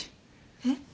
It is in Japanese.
えっ？